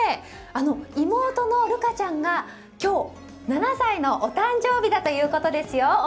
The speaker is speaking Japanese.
妹の瑠香ちゃんが今日、７歳のお誕生日だということですよ。